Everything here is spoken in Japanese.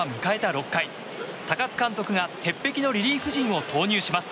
６回高津監督が鉄壁のリリーフ陣を投入します。